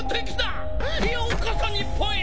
ようこそ日本へ！